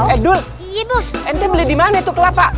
eh dul ente beli dimana tuh kelapa